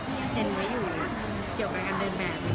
ที่เต็มไว้อยู่นะเกี่ยวกับการเดินแบบ